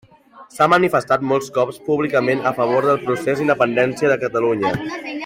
S'ha manifestat molts cops públicament a favor del procés d'independència de Catalunya.